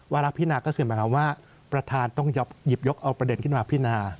รักพินาก็คือหมายความว่าประธานต้องหยิบยกเอาประเด็นขึ้นมาพินา